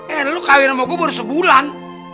eh lo kawin sama gua baru sebulan